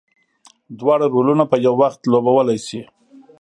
دواړه رولونه په یو وخت لوبولی شي.